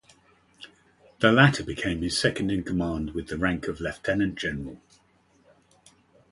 The latter became his second in command, with the rank of lieutenant-general.